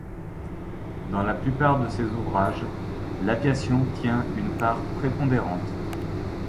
Dans la plupart de ses ouvrages, l'aviation tient une part prépondérante.